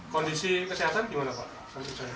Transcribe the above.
kondisi kesehatan gimana pak